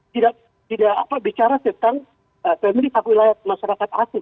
tidak bicara tentang family of wilayah masyarakat asing